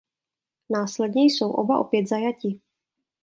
Následně jsou oba opět zajati.